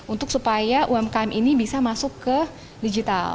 untuk supaya umkm ini bisa masuk ke digital